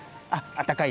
あったかい？